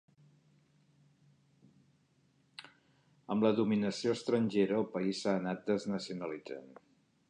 Amb la dominació estrangera el país s'ha anat desnacionalitzant.